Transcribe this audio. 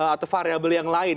atau variabel yang lain